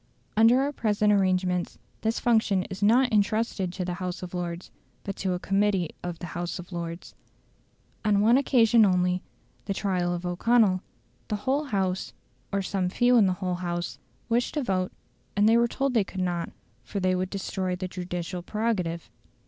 Under our present arrangements this function is not entrusted to the House of Lords, but to a Committee of the House of Lords. On one occasion only, the trial of O'Connell, the whole House, or some few in the whole House, wished to vote, and they were told they could not, or they would destroy the judicial prerogative.